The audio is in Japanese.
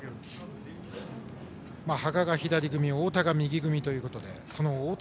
羽賀が左組み太田が右組みということで太田彪